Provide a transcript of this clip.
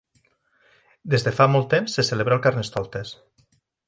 Des de fa molt temps se celebra el Carnestoltes.